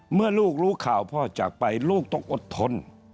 เมื่อลูกรู้ข่าวพ่อจากไปลูกต้องอดทน